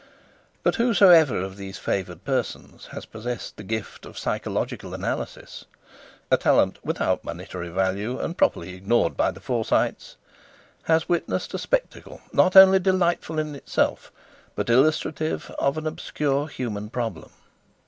But whosoever of these favoured persons has possessed the gift of psychological analysis (a talent without monetary value and properly ignored by the Forsytes), has witnessed a spectacle, not only delightful in itself, but illustrative of an obscure human problem.